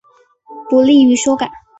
不利于修改